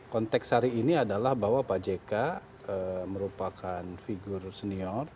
konteks hari ini adalah bahwa pak jk merupakan figur senior